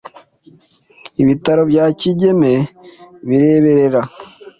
ibitaro bya Kigeme bireberera